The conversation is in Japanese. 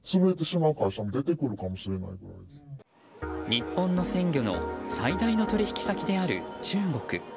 日本の鮮魚の最大の取引先である中国。